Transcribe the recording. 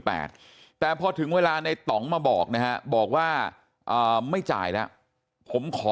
แต่พอถึงเวลาในต่องมาบอกนะฮะบอกว่าอ่าไม่จ่ายแล้วผมขอ